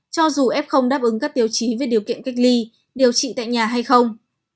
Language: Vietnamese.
cho dù f không đáp ứng các tiêu chí về điều kiện cách ly điều trị tại nhà hay không